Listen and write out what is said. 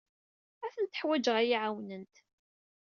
Ad tent-ḥwijeɣ ad iyi-ɛawnent.